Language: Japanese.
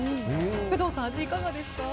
工藤さん、味いかがですか？